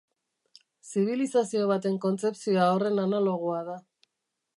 Zibilizazio baten kontzepzioa horren analogoa da.